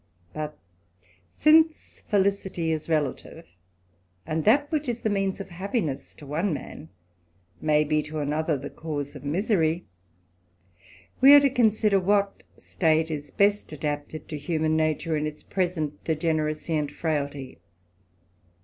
But since felicity is relative, and that which is the means of happiness to one man may be to another the cause of misery, we are to consider, what state is best adapted to human nature in its present degeneracy and frailty.